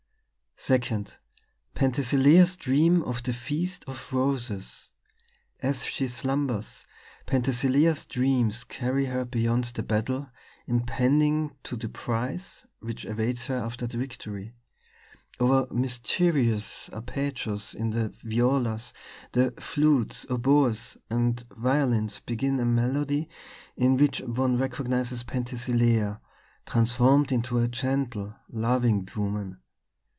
"II "PENTHESILEA'S DREAM OF THE FEAST OF ROSES "As she slumbers, Penthesilea's dreams carry her beyond the battle impending to the prize which awaits her after the victory. Over mysterious arpeggios in the violas, the flutes, oboes, and violins begin a melody in which one recognizes Penthesilea, transformed into a gentle, loving woman.